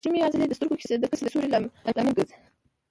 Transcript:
د مشیمیې عضلې د سترګو د کسي د سوري لامل ګرځي.